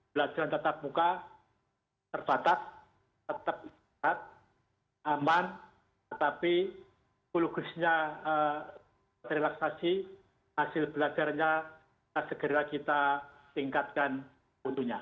belajaran tetap muka terbatas tetap tetap aman tetapi puluh kesennya relaksasi hasil belajarnya dan segera kita tingkatkan utuhnya